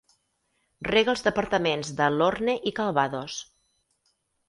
Rega els departaments de l'Orne i Calvados.